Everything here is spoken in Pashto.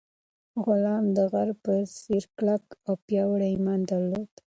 غلام د غره په څېر کلک او پیاوړی ایمان درلود.